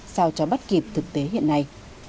sao cho bắt kịp thực tế hiện nay